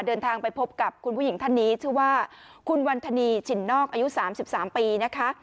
เดินทางไปพบกับคุณผู้หญิงท่านนี้ชื่อว่าคุณวันธนีฉินนอกอายุ๓๓ปีนะคะ